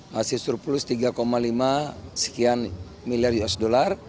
masih surplus tiga lima sekian miliar usd